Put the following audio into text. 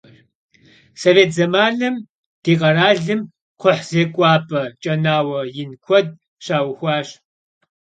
Sovêt zemanım di kheralım kxhuh zêk'uap'e, ç'enaue yin kued şauxuaş.